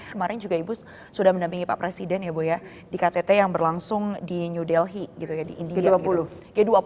kemarin juga ibu sudah mendampingi pak presiden ya bu ya di ktt yang berlangsung di new delhi gitu ya di india gitu